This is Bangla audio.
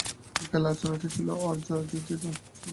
বিকালের আলোচনাটি ছিল আর্যজাতি সম্বন্ধে।